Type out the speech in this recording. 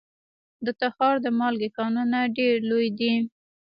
د تخار د مالګې کانونه ډیر لوی دي